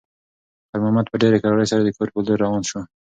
خیر محمد په ډېرې کرارۍ سره د کور په لور روان شو.